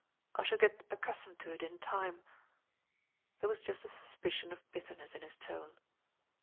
"I shall get accustomed to it in time." There was just a suspicion of bitterness in his tone.